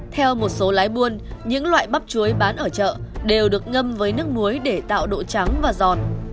theo một số lái buôn những loại bắp chuối bán ở chợ đều được ngâm với nước muối để tạo độ trắng và giọt